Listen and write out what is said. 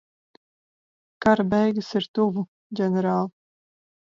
Kara beigas ir tuvu, ģenerāl.